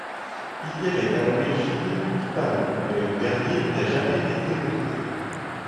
Il y avait à l'origine huit panneaux mais le dernier n'a jamais été retrouvé.